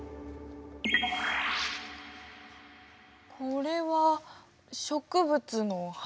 これは植物の葉っぱ？